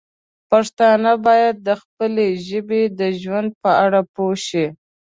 پښتانه باید د خپلې ژبې د ژوند په اړه پوه شي.